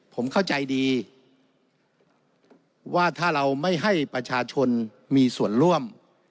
ผมเข้าใจดีว่าถ้าเราไม่ให้ประชาชนมีส่วนร่วม